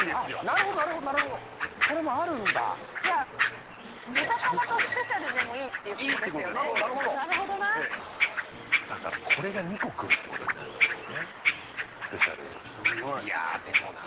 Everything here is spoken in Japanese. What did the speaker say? なるほどなるほどなるほどそれもあるんだじゃあ豚玉とスペシャルでもいいっていうことですよねいいってことですなるほどなだからこれが２個来るってことになりますけどねスペシャル頼むとすごいいやでもな